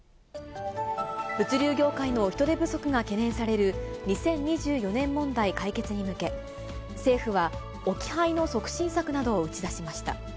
物流業界の人手不足が懸念される、２０２４年問題解決に向け、政府は置き配の促進策などを打ち出しました。